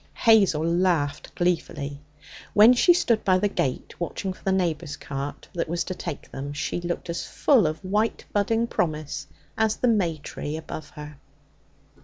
Hazel laughed gleefully. When she stood by the gate watching for the neighbour's cart that was to take them, she looked as full of white budding promise as the may tree above her.